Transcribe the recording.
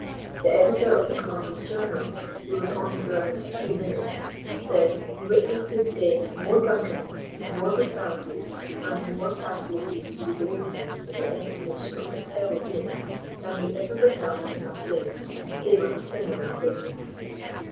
The editor of the Columbus Journal, who was on the ground a few minutes, says ''we witnessed this day more drunkenness, more brutality, and more calculated to degrade men in the estimation of their fellow beings, than we ever beheld in one day, save on a similar occasion."